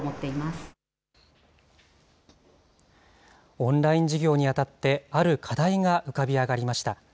オンライン授業にあたって、ある課題が浮かび上がりました。